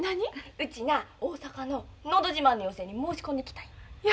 うちな大阪ののど自慢の予選に申し込んできたんや。